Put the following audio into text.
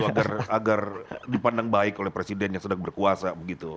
agar dipandang baik oleh presiden yang sedang berkuasa begitu